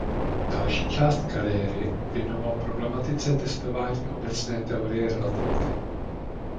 Další část kariéry věnoval problematice testování obecné teorie relativity.